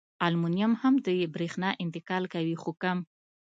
المونیم هم د برېښنا انتقال کوي خو کم.